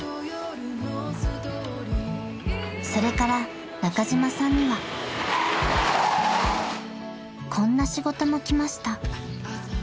［それから中島さんにはこんな仕事も来ました］